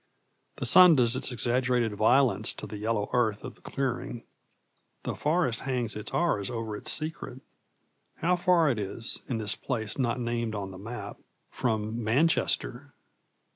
The sun does its exaggerated violence to the yellow earth of the clearing; the forest hangs its arras over its secret. How far it is, in this place not named on the map, from Manchester!